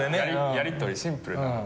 やり取りシンプルな。